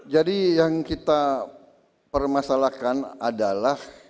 jadi yang kita permasalahkan adalah